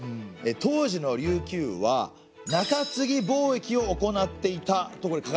当時の琉球は中継貿易を行っていたとこれ書かれてますね。